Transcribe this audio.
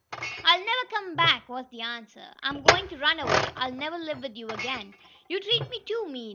"I'll never come back!" was the answer. "I I'm going to run away! I'll never live with you again! You treat me too mean!